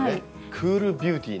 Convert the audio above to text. クールビューティーな。